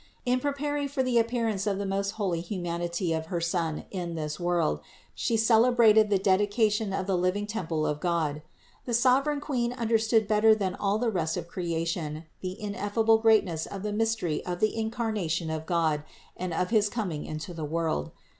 In preparing for the appearance of the most holy humanity of her Son in this world, She celebrated the dedication of the living temple of God. The sov ereign Queen understood better than all the rest of cre ation the ineffable greatness of the mystery of the Incar nation of a God and of his coming into the world.